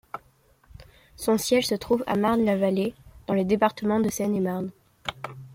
Son siège se trouve à Marne-la-Vallée, dans le département de Seine-et-Marne.